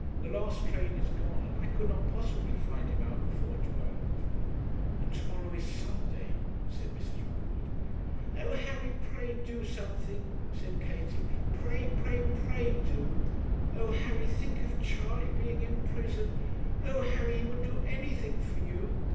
'The last train is gone, and I could not possibly find him out before twelve.' 'And to morrow is Sunday,' said Mrs. Woodward. 'Oh, Harry, pray do something!' said Katie, 'pray, pray, pray, do! Oh, Harry, think of Charley being in prison! Oh, Harry, he would do anything for you!'